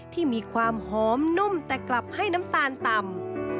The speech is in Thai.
ที่มีความหอมนุ่มแต่กลับให้น้ำตาลต่ำ